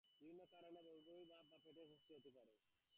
বিভিন্ন কারণে বমি বমি ভাব বা পেটে অস্বস্তি হতে পারে।